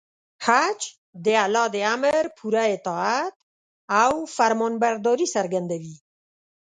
حج د الله د امر پوره اطاعت او فرمانبرداري څرګندوي.